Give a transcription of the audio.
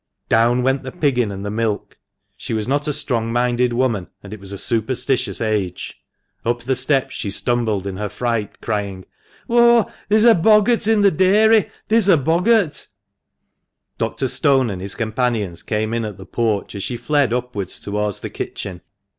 Down went the piggin and the milk (she was not a strong minded woman, and it was a superstitious age), up the steps she stumbled in her fright, crying —" Oh, theer's a boggart in th' dairy !— theer's a boggart !" Dr. Stone and his companions came in at the porch as she fled upwards towards the kitchen.